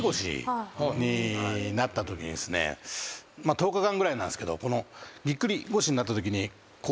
１０日間ぐらいなんですけどぎっくり腰になったときに。